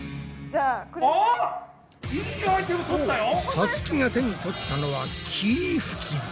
さつきが手に取ったのは霧吹きだ。